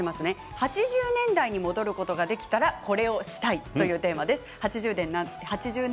８０年代に戻ることができたらこれをしたい！ということです。